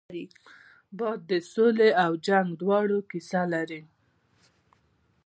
باد د سولې او جنګ دواړو کیسه لري